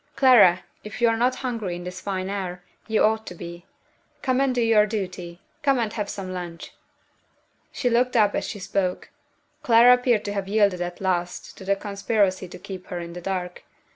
Clara, if you are not hungry in this fine air, you ought to be. Come and do your duty; come and have some lunch!" She looked up as she spoke. Clara appeared to have yielded at last to the conspiracy to keep her in the dark.